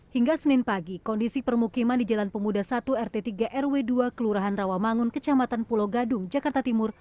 hingga senin pagi kondisi permukiman di jalan pemuda satu rt tiga rw dua kelurahan rawamangun kecamatan pulau gadung jakarta timur